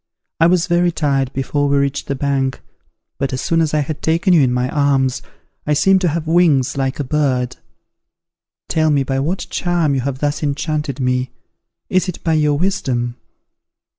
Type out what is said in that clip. I was very tired before we reached the bank: but, as soon as I had taken you in my arms, I seemed to have wings like a bird. Tell me by what charm you have thus enchanted me! Is it by your wisdom?